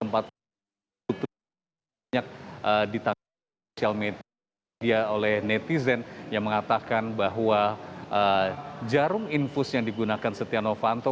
banyak ditangkap di sosial media oleh netizen yang mengatakan bahwa jarum infus yang digunakan setia novanto